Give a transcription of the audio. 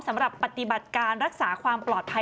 สำหรับปฏิบัติการรักษาความปลอดภัย